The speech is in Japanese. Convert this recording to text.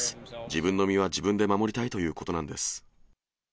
自分の身は自分で守りたいということなんです。